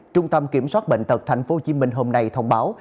trung tâm kiểm soát bệnh tật tp hcm hôm nay thông báo